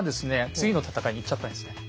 次の戦いに行っちゃったんですね。